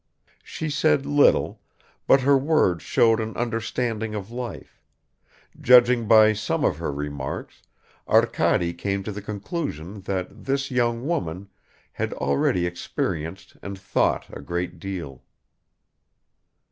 She said little, but her words showed an understanding of life; judging by some of her remarks Arkady came to the conclusion that this young woman had already experienced and thought a great deal